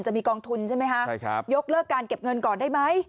จะมีกองทุนใช่ไหมคะใช่ครับยกเลิกการเก็บเงินก่อนได้ไหม